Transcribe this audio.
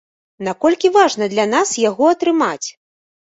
Наколькі важна для нас яго атрымаць?